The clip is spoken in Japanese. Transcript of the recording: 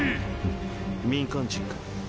民間人か。